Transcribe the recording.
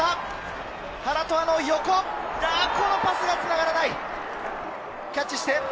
このパスがつながらない。